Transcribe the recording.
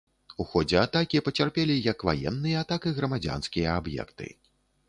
У ходзе атакі пацярпелі як ваенныя, так і грамадзянскія аб'екты.